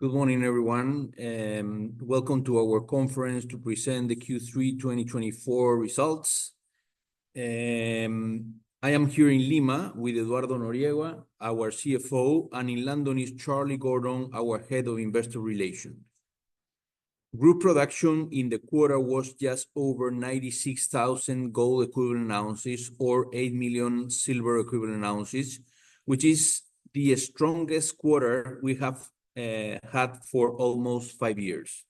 Good morning, everyone, welcome to our conference to present the Q3 2024 results. I am here in Lima with Eduardo Noriega, our CFO, and in London is Charlie Gordon, our head of investor relations. Group production in the quarter was just over 96,000 gold equivalent ounces or 8 million silver equivalent ounces, which is the strongest quarter we have had for almost five years.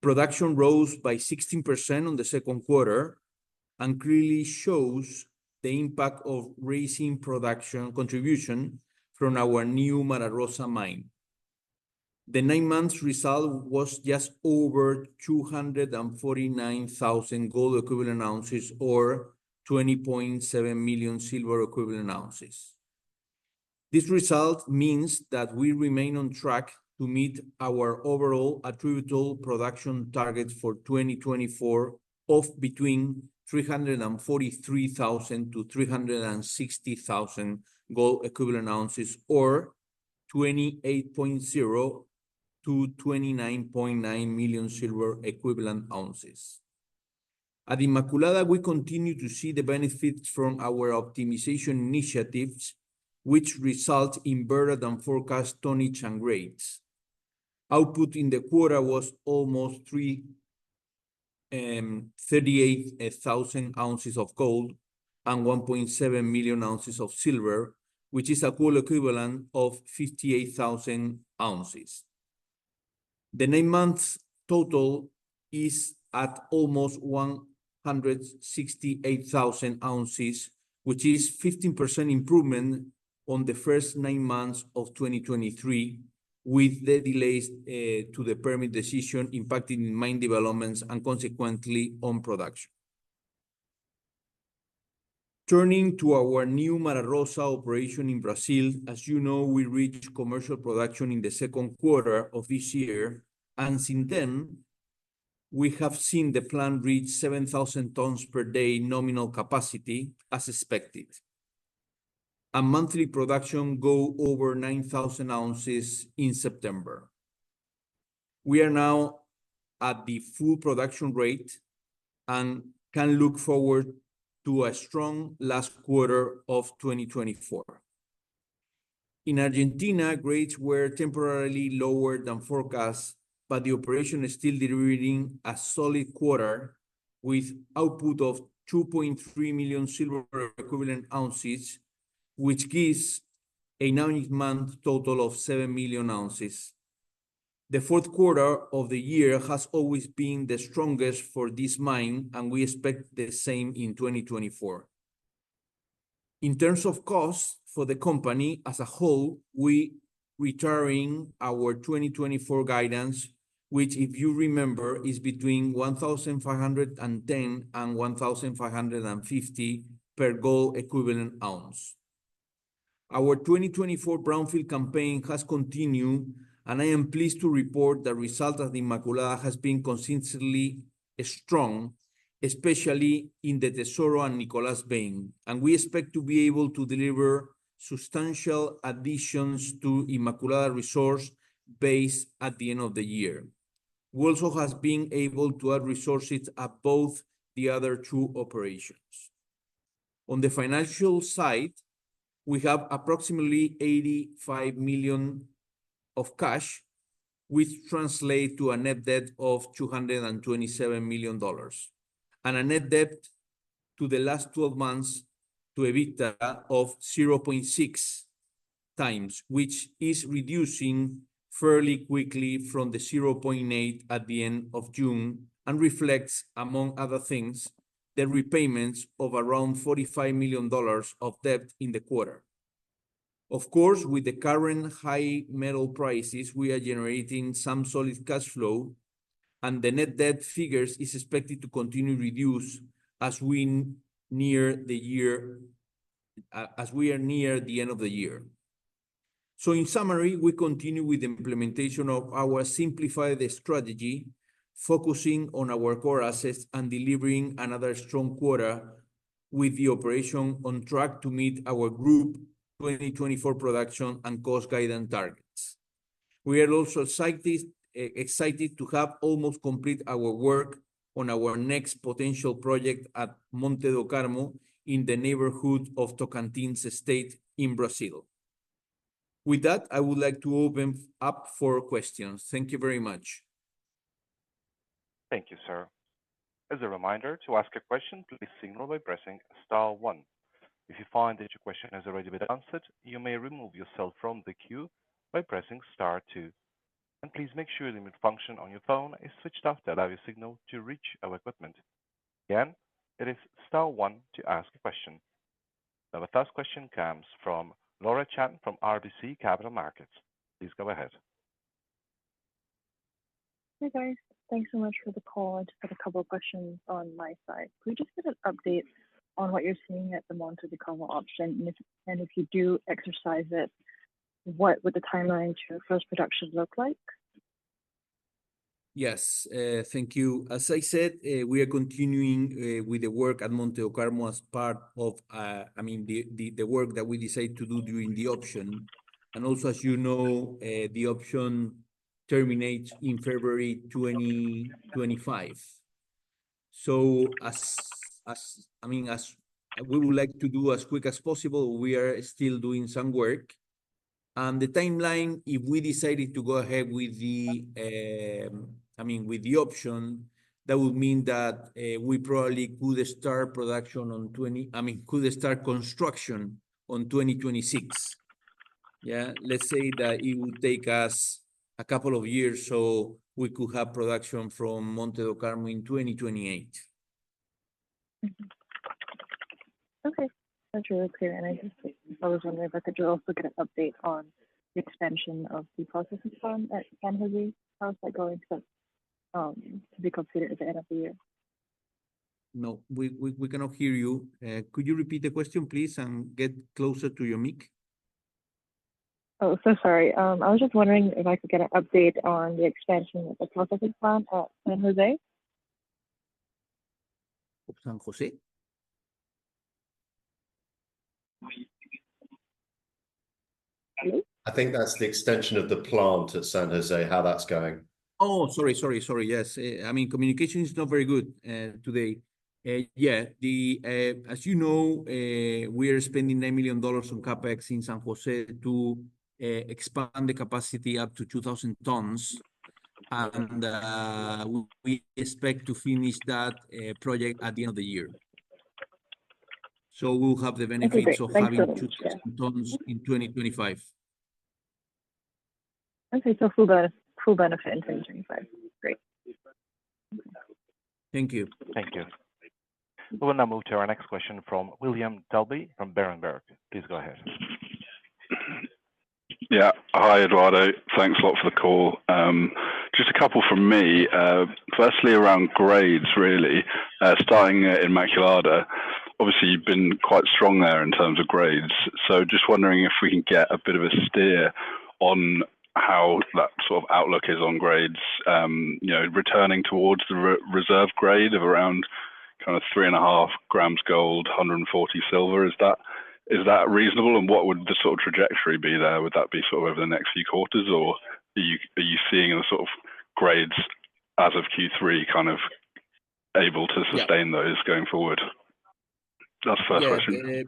Production rose by 16% on the second quarter and clearly shows the impact of raising production contribution from our new Mara Rosa mine. The nine-month result was just over 249,000 gold equivalent ounces or 20.7 million silver equivalent ounces. This result means that we remain on track to meet our overall attributable production targets for 2024 of between 343,000-360,000 gold equivalent ounces, or 28.0-29.9 million silver equivalent ounces. At Inmaculada, we continue to see the benefits from our optimization initiatives, which result in better than forecast tonnage and grades. Output in the quarter was almost 38,000 ounces of gold and 1.7 million ounces of silver, which is a gold equivalent of 58,000 ounces. The nine-month total is at almost 168,000 ounces, which is 15% improvement on the first nine months of 2023, with the delays to the permit decision impacting mine developments and consequently on production. Turning to our new Mara Rosa operation in Brazil, as you know, we reached commercial production in the second quarter of this year, and since then, we have seen the plant reach 7,000 tons per day nominal capacity, as expected. A monthly production go over 9,000 ounces in September. We are now at the full production rate and can look forward to a strong last quarter of 2024. In Argentina, grades were temporarily lower than forecast, but the operation is still delivering a solid quarter, with output of 2.3 million silver equivalent ounces, which gives a nine month total of 7 million ounces. The fourth quarter of the year has always been the strongest for this mine, and we expect the same in 2024. In terms of costs for the company as a whole, we are reiterating our 2024 guidance, which, if you remember, is between $1,510 and $1,550 per gold equivalent ounce. Our 2024 brownfield campaign has continued, and I am pleased to report the result at Inmaculada has been consistently strong, especially in the Tesoro and Nicolas vein, and we expect to be able to deliver substantial additions to Inmaculada resource base at the end of the year. We also has been able to add resources at both the other two operations. On the financial side, we have approximately $85 million of cash, which translate to a net debt of $227 million, and a net debt to the last 12 months to EBITDA of 0.6x, which is reducing fairly quickly from the 0.8x at the end of June, and reflects, among other things, the repayments of around $45 million of debt in the quarter. Of course, with the current high metal prices, we are generating some solid cash flow, and the net debt figures is expected to continue to reduce as we near the year, as we are near the end of the year. So in summary, we continue with the implementation of our simplified strategy, focusing on our core assets and delivering another strong quarter with the operation on track to meet our group 2024 production and cost guidance targets. We are also excited, excited to have almost complete our work on our next potential project at Monte do Carmo, in the neighborhood of Tocantins State in Brazil. With that, I would like to open up for questions. Thank you very much. Thank you, sir. As a reminder, to ask a question, please signal by pressing star one. If you find that your question has already been answered, you may remove yourself from the queue by pressing star two, and please make sure the mute function on your phone is switched off to allow your signal to reach our equipment. Again, it is star one to ask a question. Now, the first question comes from Laura Chan, from RBC Capital Markets. Please go ahead. Hey, guys. Thanks so much for the call. I just have a couple of questions on my side. Can we just get an update on what you're seeing at the Monte do Carmo option? And if, and if you do exercise it, what would the timeline to your first production look like? Yes, thank you. As I said, we are continuing with the work at Monte do Carmo as part of, I mean, the work that we decided to do during the option. And also, as you know, the option terminates in February 2025. So, I mean, as we would like to do as quick as possible, we are still doing some work. And the timeline, if we decided to go ahead with the, I mean, with the option, that would mean that, we probably could start construction on 2026. Yeah, let's say that it would take us a couple of years, so we could have production from Monte do Carmo in 2028. Mm-hmm. Okay, that's really clear. And I just, I was wondering if I could also get an update on the expansion of the processing plant at San Jose. How's that going to be completed at the end of the year? No, we cannot hear you. Could you repeat the question, please, and get closer to your mic? Oh, so sorry. I was just wondering if I could get an update on the expansion of the processing plant at San Jose? San Jose? I think that's the extension of the plant at San Jose, how that's going. Oh, sorry, sorry, sorry. Yes. I mean, communication is not very good today. As you know, we are spending $1 million on CapEx in San Jose to expand the capacity up to 2,000 tons, and we expect to finish that project at the end of the year. So we'll have the benefit of- Okay, thanks - having 2,000 tons in 2025. Okay, so full benefit in 2025. Great. Thank you. Thank you. We'll now move to our next question from William Dalby from Berenberg. Please go ahead. Yeah. Hi, Eduardo. Thanks a lot for the call. Just a couple from me. Firstly, around grades, really, starting in Inmaculada, obviously, you've been quite strong there in terms of grades. So just wondering if we can get a bit of a steer on how that sort of outlook is on grades, you know, returning towards the reserve grade of around kind of 3.5 grams gold, 140 grams silver. Is that, is that reasonable? And what would the sort of trajectory be there? Would that be sort of over the next few quarters, or are you, are you seeing the sort of grades as of Q3, kind of able to sustain those going forward? That's the first question.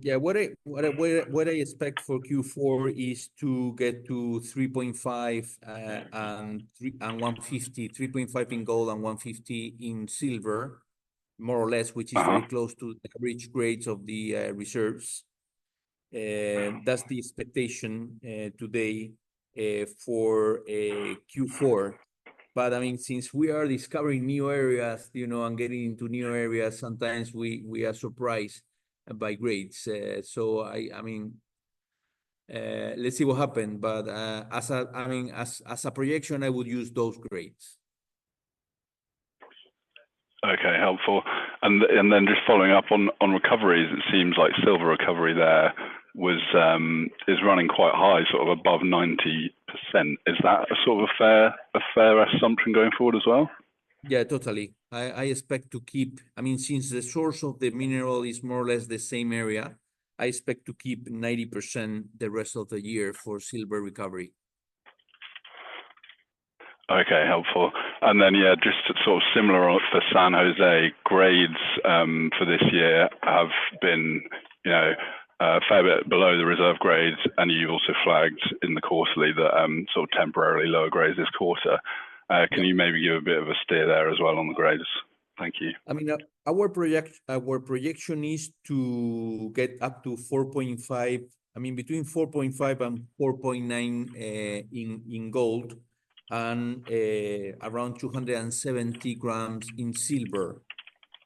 Yeah. What I expect for Q4 is to get to 3.5 grams, and 3 grams, and 150 grams, 3.5 grams in gold and 150 in silver, more or less, which is- Uh-huh... very close to the average grades of the reserves. That's the expectation today for Q4. But, I mean, since we are discovering new areas, you know, and getting into new areas, sometimes we are surprised by grades. So I mean, let's see what happen, but, as a, I mean, as a projection, I would use those grades. Okay, helpful. And then just following up on recoveries, it seems like silver recovery there is running quite high, sort of above 90%. Is that sort of a fair assumption going forward as well? Yeah, totally. I, I expect to keep... I mean, since the source of the mineral is more or less the same area, I expect to keep 90% the rest of the year for silver recovery. Okay, helpful. And then, yeah, just sort of similar for San Jose, grades for this year have been, you know, a fair bit below the reserve grades, and you also flagged in the quarterly that sort of temporarily lower grades this quarter. Can you maybe give a bit of a steer there as well on the grades? Thank you. I mean, our project- our projection is to get up to 4.5, I mean, between 4.5 and 4.9, in, in gold, and, around 270 grams in silver.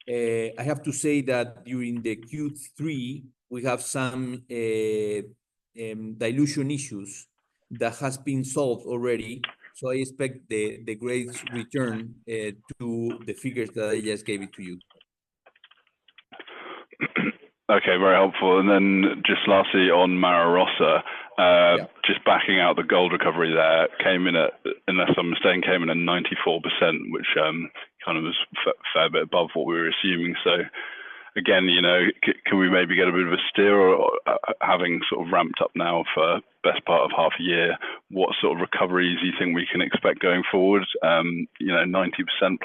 I have to say that during the Q3, we have some, dilution issues that has been solved already, so I expect the, the grades return, to the figures that I just gave it to you. Okay, very helpful. And then just lastly, on Mara Rosa, Yeah... just backing out the gold recovery there, came in at, unless I'm mistaken, came in at 94%, which kind of was a fair bit above what we were assuming. So again, you know, can we maybe get a bit of a steer or, having sort of ramped up now for best part of half a year, what sort of recoveries do you think we can expect going forward? You know, 90%+?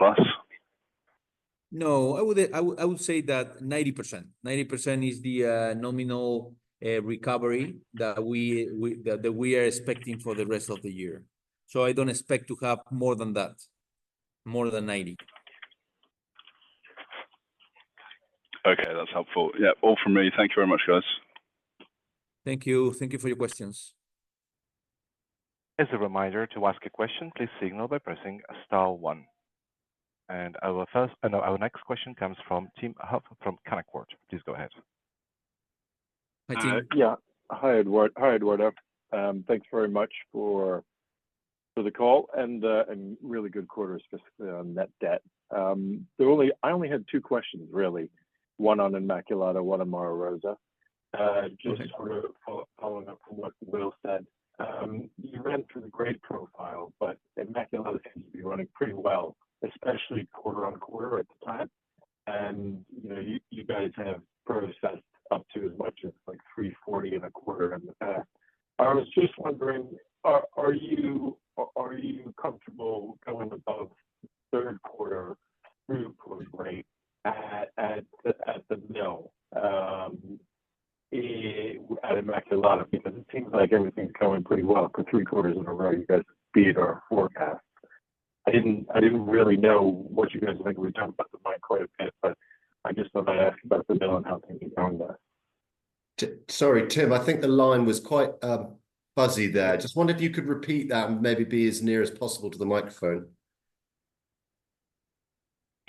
No, I would say that 90%. 90% is the nominal recovery that we are expecting for the rest of the year. So I don't expect to have more than that, more than 90%. Okay, that's helpful. Yeah, all from me. Thank you very much, guys. Thank you. Thank you for your questions. As a reminder, to ask a question, please signal by pressing star one. Our next question comes from Tim Huff from Canaccord. Please go ahead. Hi, Tim. Yeah. Hi, Eduardo. Thanks very much for the call and really good quarter, specifically on net debt. I only had two questions, really. One on Inmaculada, one on Mara Rosa.... Just sort of following up from what Will said. You ran through the grade profile, but Inmaculada seems to be running pretty well, especially quarter-over-quarter at the time. And, you know, you guys have processed up to as much as, like, 340 in a quarter in the past. I was just wondering, are you comfortable going above third quarter throughput rate at the mill at Inmaculada? Because it seems like everything's going pretty well. For three quarters in a row, you guys beat our forecast. I didn't really know what you guys think. We've talked about the mine quite a bit, but I just thought I'd ask about the mill and how things are going there. Sorry, Tim, I think the line was quite fuzzy there. Just wonder if you could repeat that and maybe be as near as possible to the microphone.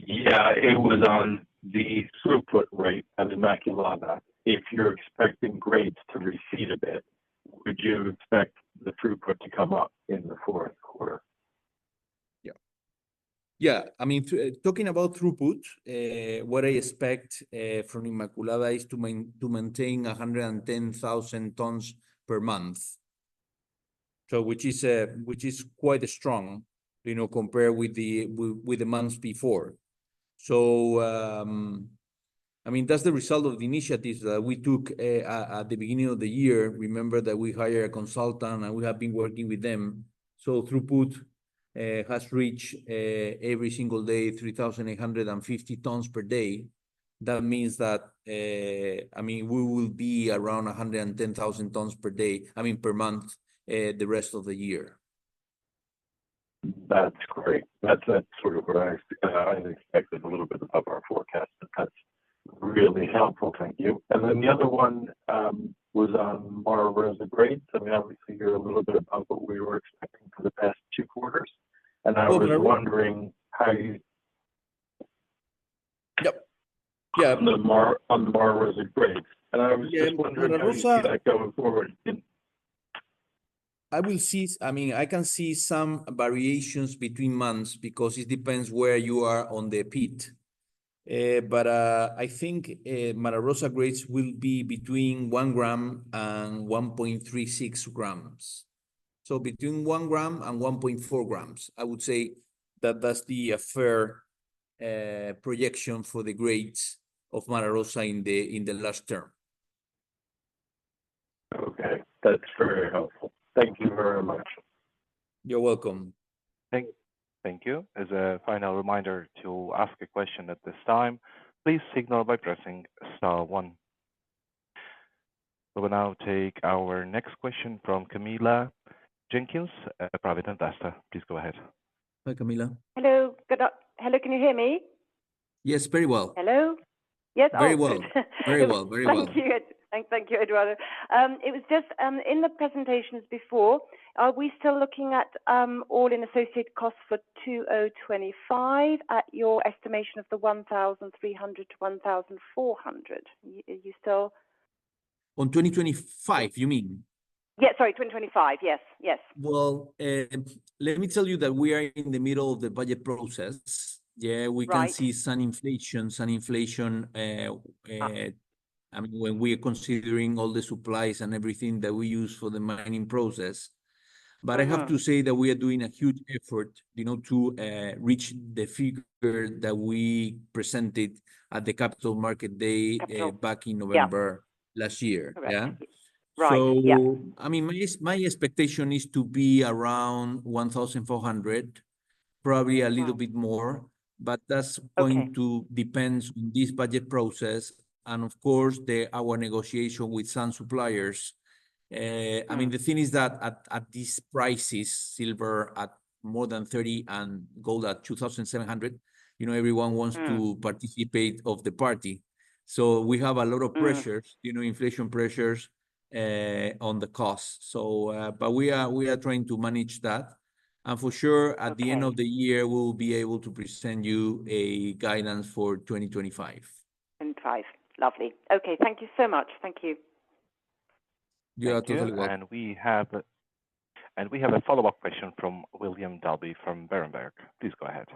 Yeah, it was on the throughput rate at Inmaculada. If you're expecting grades to recede a bit, would you expect the throughput to come up in the fourth quarter? Yeah. Yeah, I mean, talking about throughput, what I expect from Inmaculada is to maintain 110,000 tons per month. So which is quite strong, you know, compared with the months before. So, I mean, that's the result of the initiatives that we took at the beginning of the year. Remember that we hired a consultant, and we have been working with them. So throughput has reached every single day 3,850 tons per day. That means that, I mean, we will be around 110,000 tons per day, I mean, per month, the rest of the year. That's great. That's, that's sort of what I expected, a little bit above our forecast, but that's really helpful. Thank you. And then the other one was on Mara Rosa grades, and we obviously hear a little bit about what we were expecting for the past two quarters. Oh, yeah. I was wondering how you... Yep. Yeah, on the Mara Rosa grades. Yeah, Mara Rosa- I was just wondering, how you see that going forward in? I will see... I mean, I can see some variations between months because it depends where you are on the pit. But I think Mara Rosa grades will be between 1 gram and 1.36 grams. So between 1 gram and 1.4 grams, I would say that that's the fair projection for the grades of Mara Rosa in the last term. Okay, that's very helpful. Thank you very much. You're welcome. Thank you. As a final reminder to ask a question at this time, please signal by pressing star one. We will now take our next question from Camilla Jenkins a private investor. Please go ahead. Hi, Camilla. Hello. Hello, can you hear me? Yes, very well. Hello? Yes, awesome. Very well. Very well, very well. Thank you. Thank, thank you, Eduardo. It was just in the presentations before, are we still looking at all-in associated costs for 2025 at your estimation of the $1,300-$1,400? Are you still- On 2025, you mean? Yeah, sorry, 2025. Yes, yes. Well, let me tell you that we are in the middle of the budget process. Yeah- Right... we can see some inflation, some inflation, I mean, when we are considering all the supplies and everything that we use for the mining process. Mm-hmm. But I have to say that we are doing a huge effort, you know, to reach the figure that we presented at the Capital Markets Day- Yep... back in November- Yeah... last year. Correct. Yeah. Right, yeah. So, I mean, my expectation is to be around $1,400, probably a little bit more, but that's- Okay... going to depends on this budget process and of course, our negotiation with some suppliers. I mean, the thing is that at these prices, silver at more than $30 and gold at $2,700, you know, everyone wants- Mm... to participate of the party. So we have a lot of pressures- Mm... you know, inflation pressures on the cost. So, but we are trying to manage that. And for sure- Okay... at the end of the year, we will be able to present you a guidance for 2025. 2025. Lovely. Okay, thank you so much. Thank you. You are totally welcome. Thank you. We have a follow-up question from William Dalby, from Berenberg. Please go ahead.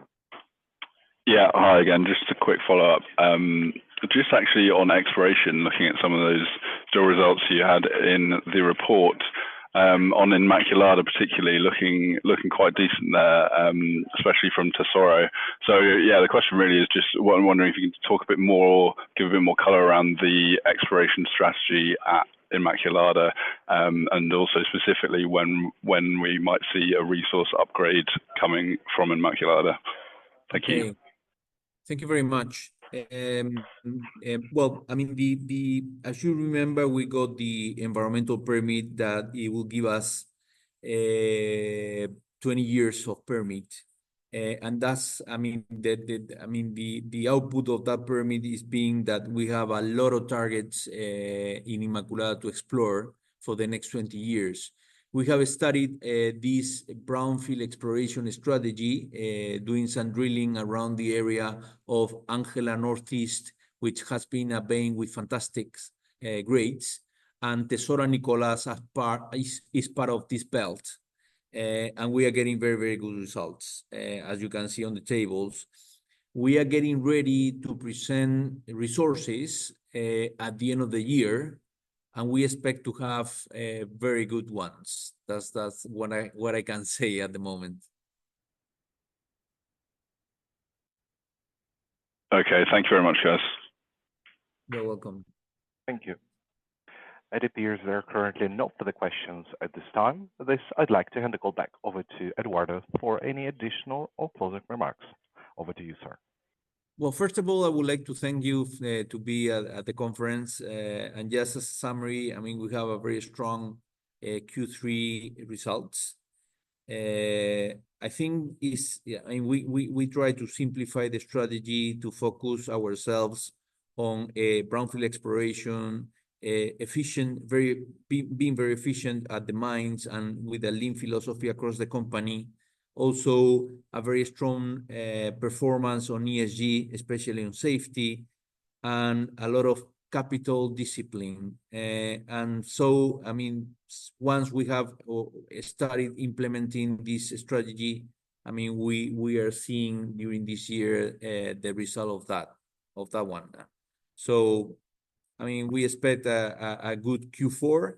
Yeah. Hi again, just a quick follow-up. Just actually on exploration, looking at some of those drill results you had in the report, on Inmaculada, particularly looking quite decent there, especially from Tesoro. So yeah, the question really is just I'm wondering if you can talk a bit more or give a bit more color around the exploration strategy at Inmaculada, and also specifically when we might see a resource upgrade coming from Inmaculada. Thank you. Okay. Thank you very much. Well, I mean, as you remember, we got the environmental permit that it will give us 20 years of permit. And that's, I mean, the output of that permit is that we have a lot of targets in Inmaculada to explore for the next 20 years. We have studied this brownfield exploration strategy, doing some drilling around the area of Angela Northeast, which has been yielding with fantastic grades, and Tesoro, Nicolas as part of this belt. And we are getting very, very good results, as you can see on the tables. We are getting ready to present resources at the end of the year, and we expect to have very good ones. That's what I can say at the moment. Okay. Thank you very much, guys. You're welcome. Thank you. It appears there are currently no further questions at this time. With this, I'd like to hand the call back over to Eduardo for any additional or closing remarks. Over to you, sir. Well, first of all, I would like to thank you to be at the conference. And just a summary, I mean, we have a very strong Q3 results. I think it's... Yeah, I mean, we try to simplify the strategy to focus ourselves on a brownfield exploration, efficient, being very efficient at the mines and with a lean philosophy across the company. Also, a very strong performance on ESG, especially on safety, and a lot of capital discipline. And so, I mean, once we have started implementing this strategy, I mean, we are seeing during this year the result of that one. So, I mean, we expect a good Q4,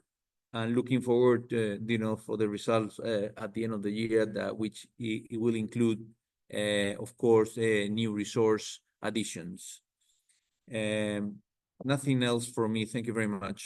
and looking forward, you know, for the results at the end of the year, that which it will include, of course, new resource additions. Nothing else from me. Thank you very much.